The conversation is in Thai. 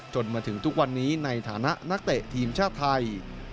จนถึงทุกวันนี้ในฐานะนักเตะทีมชาติไทย